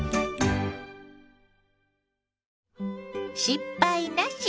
「失敗なし！